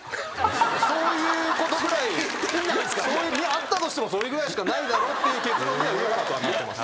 あったとしてもそれぐらいしかないだろうっていう結論には上原とはなってます。